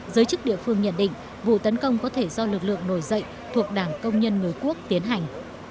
giới chức địa phương nhận định vụ tấn công có thể do lực lượng nổi dậy thuộc đảng công nhân người quốc tiến hành